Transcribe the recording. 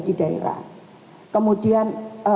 di daerah kemudian